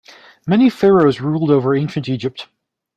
Many pharaohs ruled over ancient Egypt.